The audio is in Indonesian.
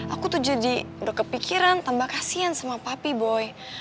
aku tuh jadi udah kepikiran tambah kasihan sama papi boy